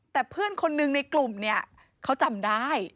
แต่เพื่อนคนหนึ่งในกลุ่มเนี่ยเขาจำได้